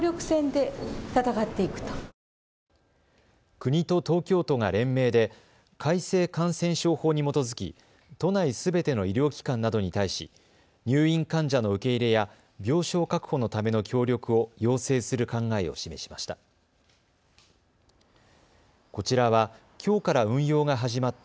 国と東京都が連名で改正感染症法に基づき都内すべての医療機関などに対し入院患者の受け入れや病床確保のための協力を要請する考えを示しました。